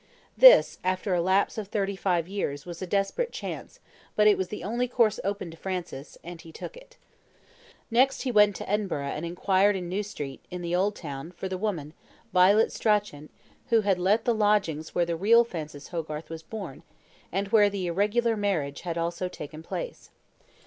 This, after a lapse of thirty five years, was a desperate chance, but it was the only course open to Francis, and he took it. Next he went to Edinburgh and inquired in New Street, in the old town, for the woman, Violet Strachan, who had let the lodgings where the real Francis Hogarth was born, and where the irregular marriage had also taken place.